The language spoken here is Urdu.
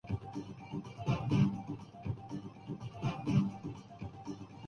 کارکردگی ہی کا دوسرا نام گورننس ہے۔